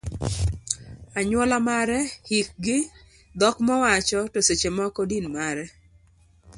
anyuola mare, hikgi, dhok mowacho, to seche moko din mare